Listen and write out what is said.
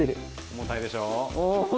重たいでしょう？